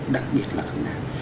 đặc biệt là việt nam